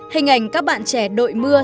hình ảnh các bạn trẻ đội mưa